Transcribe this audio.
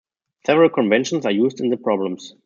Several conventions are used in the problems.